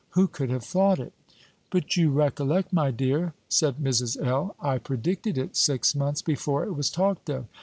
Who could have thought it!" "But you recollect, my dear," said Mrs. L., "I predicted it six months before it was talked of.